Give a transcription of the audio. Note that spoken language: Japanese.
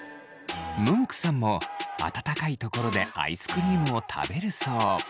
ムンクさんも暖かい所でアイスクリームを食べるそう。